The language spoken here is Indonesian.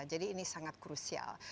jadi ini sangat krusial